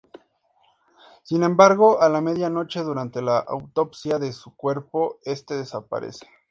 Sin embargo a la media noche durante la autopsia de su cuerpo este desaparece.